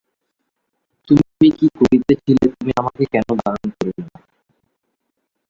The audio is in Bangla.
তুমি কী করিতেছিলে, তুমি আমাকে কেন বারণ করিলে না।